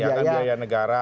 ya kan biaya negara